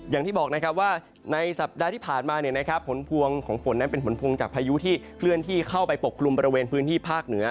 อย่างที่บอกนะครับว่าในสัปดาห์ที่ผ่านมาผลพวงของฝนนั้นเป็นผลพวงจากพายุที่เคลื่อนที่เข้าไปปกคลุมบริเวณพื้นที่ภาคเหนือ